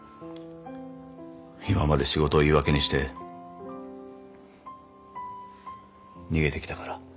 今まで仕事を言い訳にして逃げてきたから。